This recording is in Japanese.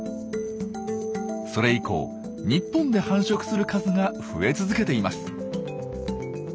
それ以降日本で繁殖する数が増え続けています。